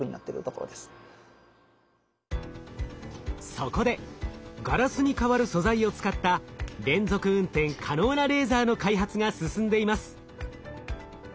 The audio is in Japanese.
そこでガラスに代わる素材を使った連続運転可能なレーザーの開発が進んでいます。